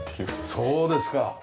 そうですか。